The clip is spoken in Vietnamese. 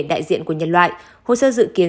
đại diện của nhân loại hồ sơ dự kiến